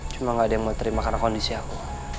cuma gak ada yang mau terima karena kondisi aku